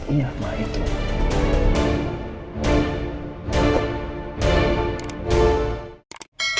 iya mah itu